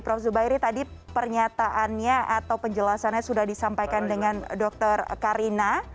prof zubairi tadi pernyataannya atau penjelasannya sudah disampaikan dengan dr karina